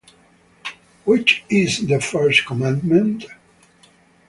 Which is the first commandment?